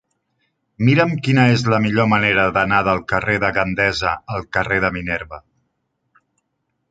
Mira'm quina és la millor manera d'anar del carrer de Gandesa al carrer de Minerva.